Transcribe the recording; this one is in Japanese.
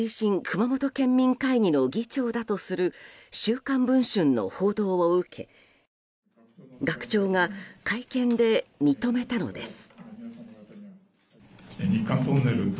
熊本県民会議の議長だとする「週刊文春」の報道を受け学長が会見で認めたのです。